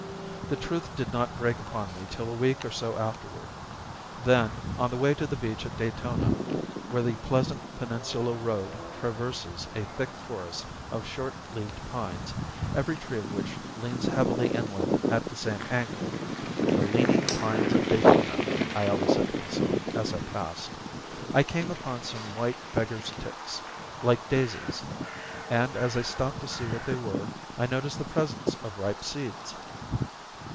The truth did not break upon me till a week or so afterward. Then, on the way to the beach at Daytona, where the pleasant peninsula road traverses a thick forest of short leaved pines, every tree of which leans heavily inland at the same angle ("the leaning pines of Daytona," I always said to myself, as I passed), I came upon some white beggar's ticks, like daisies; and as I stopped to see what they were, I noticed the presence of ripe seeds.